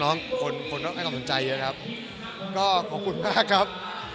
คนคนต้องให้ความสนใจเยอะครับก็ขอบคุณมากครับ